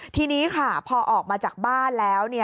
ทีนี้ค่ะพอออกมาจากบ้านแล้ว